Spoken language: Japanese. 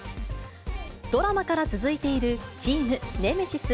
ドラマから続いているチームネメシス。